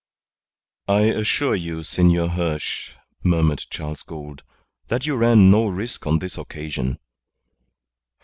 "I assure you, Senor Hirsch," murmured Charles Gould, "that you ran no risk on this occasion."